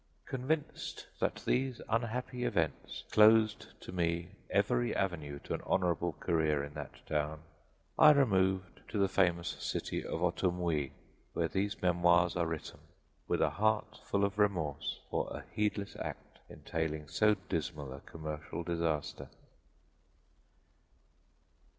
Convinced that these unhappy events closed to me every avenue to an honorable career in that town, I removed to the famous city of Otumwee, where these memoirs are written with a heart full of remorse for a heedless act entailing so dismal a commercial disaster.